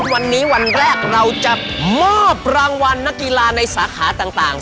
วันนี้วันแรกเราจะมอบรางวัลนักกีฬาในสาขาต่าง